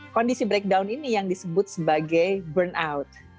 kondisi breakdown ini yang disebut sebagai burnout